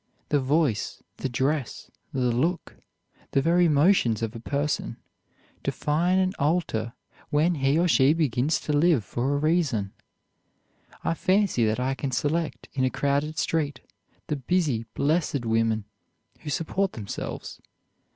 The voice, the dress, the look, the very motions of a person, define and alter when he or she begins to live for a reason. I fancy that I can select, in a crowded street, the busy, blessed women who support themselves.